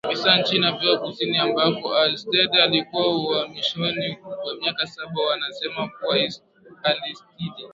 maafisa nchini afrika kusini ambako alistede alikuwa uhamishoni kwa miaka saba wanasema kuwa alistide